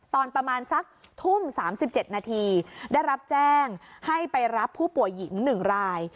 ตอนประมาณสักทุ่ม๓๗นาทีได้รับแจ้งให้ไปรับผู้ป่วยหญิง๑ราย